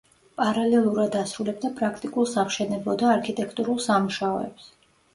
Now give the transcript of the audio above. პარალელურად ასრულებდა პრაქტიკულ სამშენებლო და არქიტექტურულ სამუშაოებს.